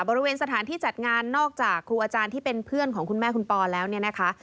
บริเวณสถานที่จัดงานนอกจากครูอาจารย์ที่เป็นเพื่อนของคุณแม่คุณปอแล้วเนี่ยนะคะ